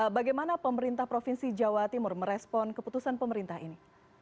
bagaimana pemerintah provinsi jawa timur merespon keputusan pemerintah ini